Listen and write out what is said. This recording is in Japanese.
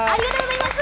ありがとうございます！